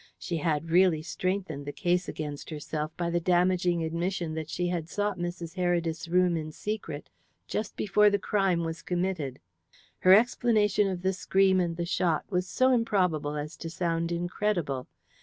She had really strengthened the case against herself by the damaging admission that she had sought Mrs. Heredith's room in secret just before the crime was committed. Her explanation of the scream and the shot was so improbable as to sound incredible.